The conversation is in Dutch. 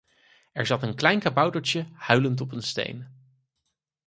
Er zat een klein kaboutertje huilend op een steen.